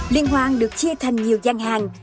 liên hoan được chia thành nhiều gian hàng